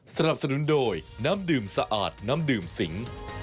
สนับสนุนโดยน้ำดื่มสะอาดน้ำดื่มสิง